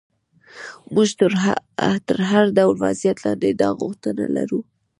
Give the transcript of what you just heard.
موږ تر هر ډول وضعیت لاندې دا غوښتنه لرو.